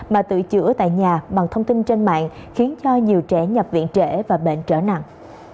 mà tự chữa tại nhà bằng thông tin trên mạng khiến cho nhiều trẻ nhập viện trễ và bệnh trở nặng